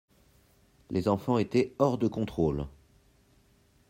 Les enfants étaient hors de contrôle.